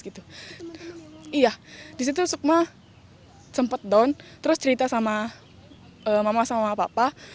iya disitu sukma sempat down terus cerita sama mama sama papa